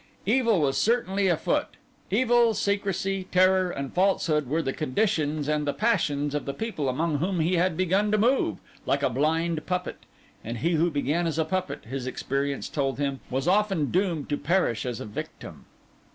Evil was certainly afoot; evil, secrecy, terror, and falsehood were the conditions and the passions of the people among whom he had begun to move, like a blind puppet; and he who began as a puppet, his experience told him, was often doomed to perish as a victim.